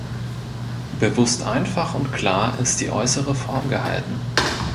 Bewusst einfach und klar ist die äußere Form gehalten.